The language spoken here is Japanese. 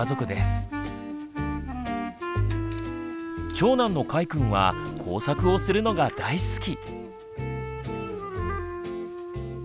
長男のかいくんは工作をするのが大好き。